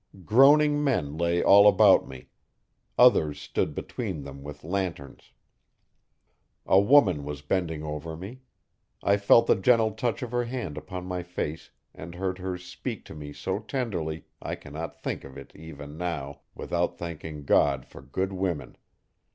Groaning men lay all about me; others stood between them with lanterns. A woman was bending over me. I felt the gentle touch of her hand upon my face and heard her speak to me so tenderly I cannot think of it, even now, without thanking God for good women.